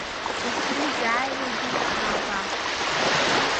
Иахьынӡазааиуагьы аабап!